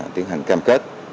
tiến hành cam kết